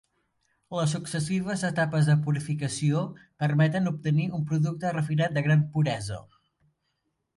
Les successives etapes de purificació permeten obtenir un producte refinat de gran puresa.